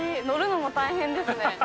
乗るのも大変ですね。